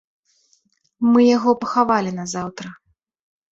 Мы яго пахавалі назаўтра.